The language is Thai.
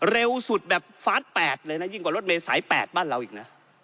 เร็วสุดแบบฟาส๘เลยนะยิ่งกว่ารถเมษาย๘บ้านเราอีกนะ